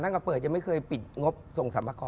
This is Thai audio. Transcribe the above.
กับเปิดยังไม่เคยปิดงบส่งสรรพากร